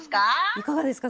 いかがですか？